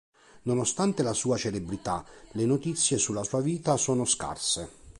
Nonostante la sua celebrità, le notizie sulla sua vita sono scarse.